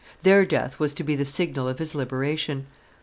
Their death was to be the signal of his liberation.